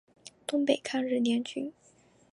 东北抗日联军。